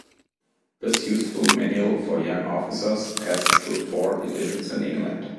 This useful manual for young officers passed through four editions in England.